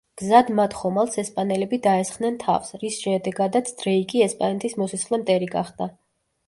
გზად მათ ხომალდს ესპანელები დაესხნენ თავს, რის შედეგადაც დრეიკი ესპანეთის მოსისხლე მტერი გახდა.